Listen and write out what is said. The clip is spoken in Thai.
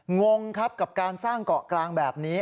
งงครับกับการสร้างเกาะกลางแบบนี้